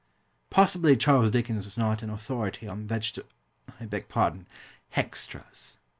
Possibly Charles Dickens was not an authority on veget I beg pardon, "hextras."